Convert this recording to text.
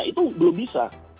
itu belum bisa